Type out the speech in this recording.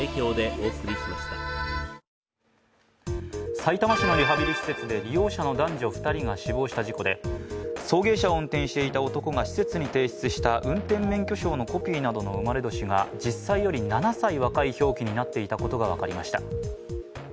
さいたま市のリハビリ施設で利用者の男女２人が死亡した事故で送迎車を運転していた男が施設に提出した運転免許証のコピーなどの生まれ年が実際より７歳若い表記になっていたことが分かりました。